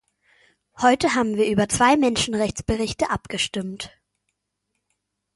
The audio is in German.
Heute haben wir über zwei Menschenrechtsberichte abgestimmt.